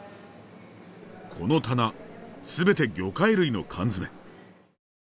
この棚すべて魚介類の缶詰。